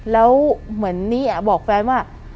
แล้วเหมือนนี่บอกแฟนว่า